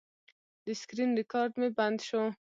د سکرین ریکارډ مې بند شو.